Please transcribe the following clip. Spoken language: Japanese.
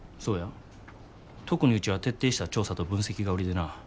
特にうちは徹底した調査と分析が売りでな。